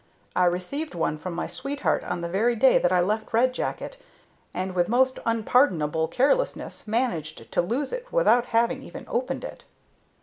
I received one from my sweetheart on the very day that I left Red Jacket, and, with most unpardonable carelessness, managed to lose it without having even opened it."